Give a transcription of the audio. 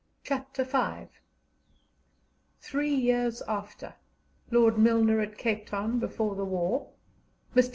CHAPTER V THREE YEARS AFTER LORD MILNER AT CAPE TOWN BEFORE THE WAR MR.